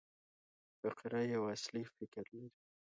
فقره یو اصلي فکر لري.